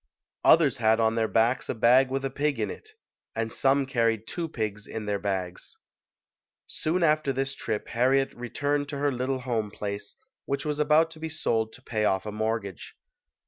Others had on their backs a bag with a pig in it; and some carried two pigs in their bags. Soon after this trip Harriet returned to her little home place, which was about to be sold to pay off a mortgage.